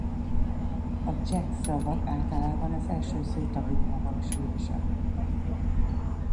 A cseh szavak általában az első szótagjukon hangsúlyosak.